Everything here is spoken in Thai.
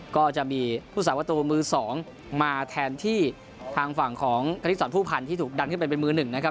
ก็จะมีพุทธศาสตร์ประตูมือ๒มาแทนที่ทางฝั่งของกฤษศาสตร์ผู้พันธุ์ที่ถูกดันขึ้นไปเป็นมือ๑นะครับ